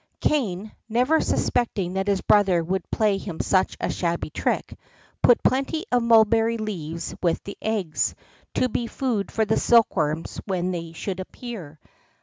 Kané, never suspecting that his brother would play him such a shabby trick, put plenty of mulberry leaves with the eggs, to be food for the silkworms when they should appear.